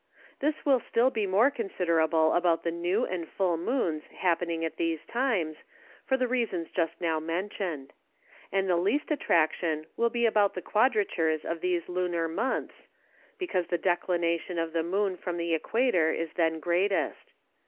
This will still be more considerable about the New and Full Moons happening at these times, for the Reasons just now mentioned. And the least Attraction will be about the Quadratures of these Lunar Months, because the Declination of the Moon from the Equator is then greatest.